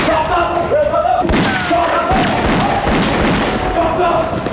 พวกมันพลาดหนี